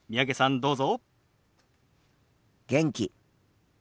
どうぞ。